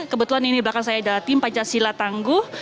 kebetulan ini di belakang saya ada tim pancasila tangguh